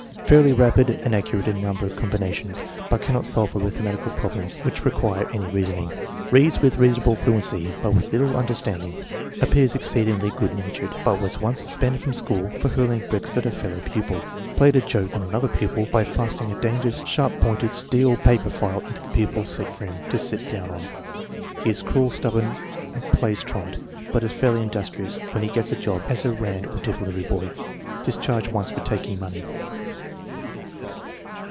Fairly rapid and accurate in number com binations, but cannot solve arithmetical problems which require any reasoning. Reads with reasonable fluency, but with little un derstanding. Appears exceedingly good natured, but was once suspended from school for hurling bricks at a fellow pupil. Played a "joke" on another pupil by fastening a dangerous, sharp pointed, steel paper file in the pupil's seat for him to sit down on. He is cruel, stubborn, and plays truant, but is fairly industrious when he gets a job as errand or delivery boy. Discharged once for taking money.